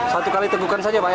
satu kali tegukan saja pak ya